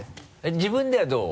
自分ではどう？